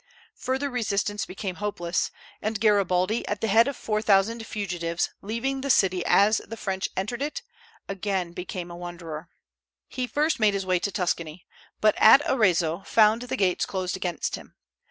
Further resistance became hopeless; and Garibaldi, at the head of four thousand fugitives, leaving the city as the French entered it, again became a wanderer. He first made his way to Tuscany, but at Arezzo found the gates closed against him.